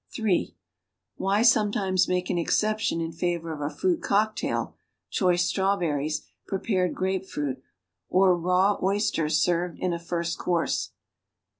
(3) Why sometimes make an exception iu favor of a fruit cocktail, choice strawberries, prepared grai)efrult or raw oysters served in a first course?